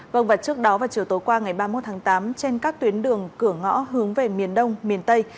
vâng và trước đó vào chiều tối qua ngày ba mươi một tháng tám trên các tuyến đường cửa ngõ hướng về miền đông miền tây